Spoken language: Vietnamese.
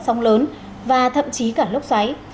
sóng lớn và thậm chí cả lốc xoáy